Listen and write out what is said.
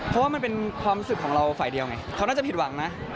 เพราะว่ามันเป็นความรู้สึกของเราฝ่ายเดียวไงเขาน่าจะผิดหวังนะ